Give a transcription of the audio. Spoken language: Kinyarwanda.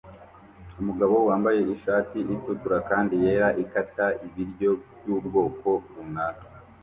Umugabo wambaye ishati itukura kandi yera ikata ibiryo byubwoko runaka